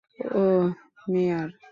উহ, মেয়ার!